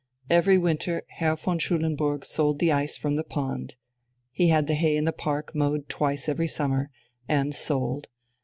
Every winter Herr von Schulenburg sold the ice from the pond. He had the hay in the park mowed twice every summer and sold.